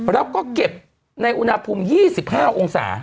แล้วก็เก็บในอุณหภูมิ๒๕องศา